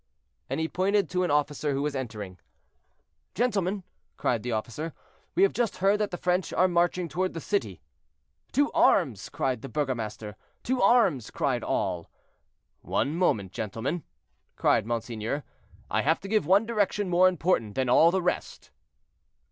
And he pointed to an officer who was entering. "Gentlemen," cried the officer, "we have just heard that the French are marching toward the city." "To arms!" cried the burgomaster. "To arms!" cried all. "One moment, gentlemen," cried monseigneur; "I have to give one direction more important than all the rest."